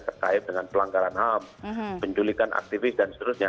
terkait dengan pelanggaran ham penculikan aktivis dan seterusnya